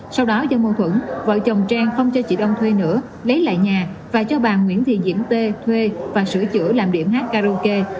sau đó do mâu thuẫn vợ chồng trang không cho chị đông thuê nữa lấy lại nhà và cho bà nguyễn thị diễm tê thuê và sửa chữa làm điểm hát karaoke